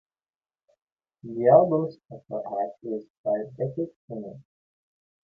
The album's cover art is by Becky Cloonan.